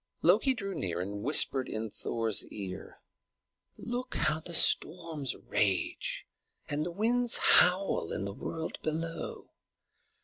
Loki drew near and whispered in Thor's ear. "Look, how the storms rage and the winds howl in the world below!